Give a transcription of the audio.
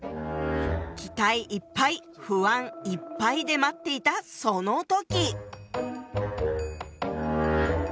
期待いっぱい不安いっぱいで待っていたその時。